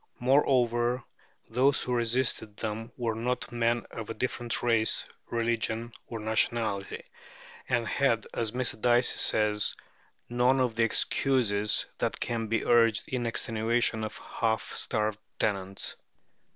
Moreover, those who resisted them were not men of a different race, religion, or nationality, and had, as Mr. Dicey says, "none of the excuses that can be urged in extenuation of half starved tenants."